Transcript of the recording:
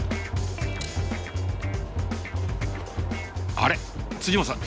あれ本さん。